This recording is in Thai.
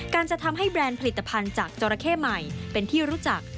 จะทำให้แบรนด์ผลิตภัณฑ์จากจราเข้ใหม่เป็นที่รู้จัก